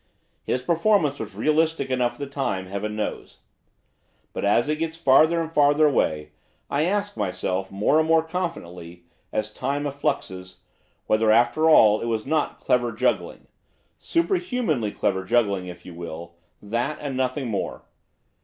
His performance was realistic enough at the time, heaven knows. But, as it gets farther and farther away, I ask myself, more and more confidently, as time effluxes, whether, after all, it was not clever juggling, superhumanly clever juggling, if you will; that, and nothing more.